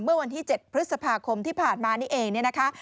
เมื่อวันที่๗พฤษภาคมที่ผ่านมานี่เองเนี่ยนะคะ